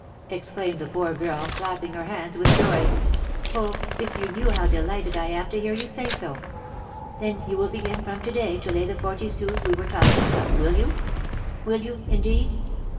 exclaimed the poor girl, clapping her hands with joy. "Oh, if you knew how delighted I am to hear you say so! Then you will begin from to day to lay by the forty sous we were talking about, will you? Will you, indeed?"